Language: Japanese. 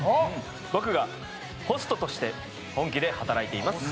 僕がホストとして本気で働いています。